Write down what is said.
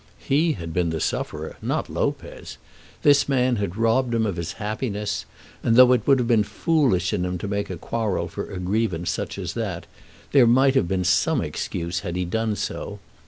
He had been the sufferer, not Lopez. This man had robbed him of his happiness; and, though it would have been foolish in him to make a quarrel for a grievance such as that, there might have been some excuse had he done so.